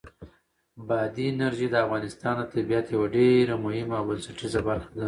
بادي انرژي د افغانستان د طبیعت یوه ډېره مهمه او بنسټیزه برخه ده.